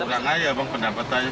pengaruh banget ya bang pendapatannya